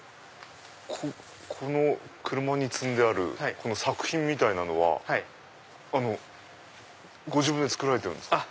この車に積んである作品みたいなのはご自分で作られてるんですか？